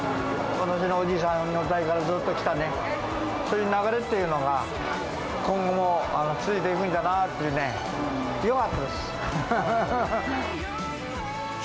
私のおじいさんの代からずっと来たそういう流れっていうのが、今後も続いていくんだなーっていうね、よかったです。